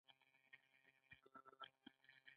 ټپي ته باید د خوښیو درشل ته لار ورکړو.